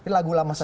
lagu lama saja